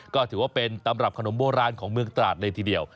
ก็ถือว่าเป็นตำรับขนมโบราณของเมืองตราดเลยทีเดียว